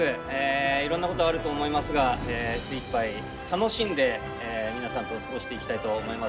いろんなことあると思いますが精いっぱい楽しんで皆さんと過ごしていきたいと思います。